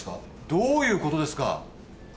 どういうことですか？